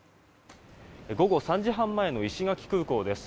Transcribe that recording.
午後３時半前の石垣空港です。